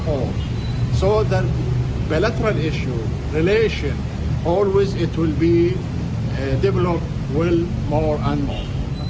jadi isu bilateral hubungan akan berkembang lebih banyak